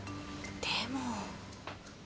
でも。